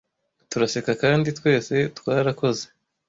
turaseka kandi twese twarakoze